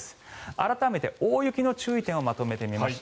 改めて大雪の注意点をまとめてみました。